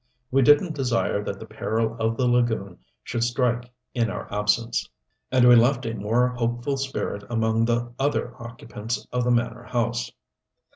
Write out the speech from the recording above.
We didn't desire that the peril of the lagoon should strike in our absence. And we left a more hopeful spirit among the other occupants of the manor house.